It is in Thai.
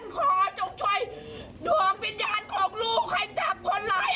ขอจงช่วยดวงวิญญาณของลูกให้จับคนร้าย